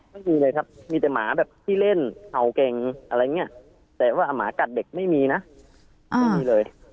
ไม่มีเลยครับมีแต่หมาแบบขี้เล่นเห่าเก่งอะไรอย่างนี้แต่ว่าหมากัดเด็กไม่มีนะไม่มีเลย